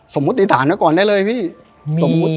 สมมุติฐานก่อนได้เลยพี่